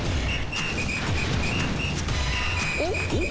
おっ？